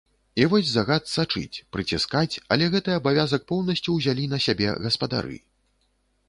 І вось загад сачыць, прыціскаць, але гэты абавязак поўнасцю ўзялі на сябе гаспадары.